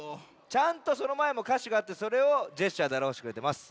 ちゃんとそのまえもかしがあってそれをジェスチャーであらわしてくれてます。